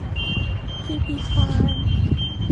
พีพี ไพร์ม